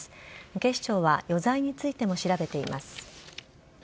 警視庁は余罪についても調べています。